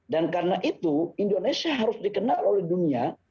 dan karena itu indonesia harus dikenal oleh dunia